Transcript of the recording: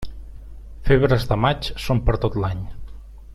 Febres de maig, són per tot l'any.